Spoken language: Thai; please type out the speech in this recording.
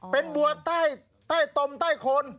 เป็นบัวใต้ตมใต้คน